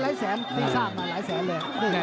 แสนที่ทราบมาหลายแสนเลย